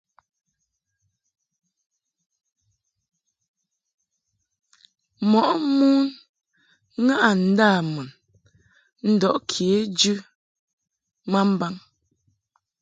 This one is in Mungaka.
Mɔʼ mon ŋaʼɨ ndâmun ndɔʼ kejɨ ma mbaŋ.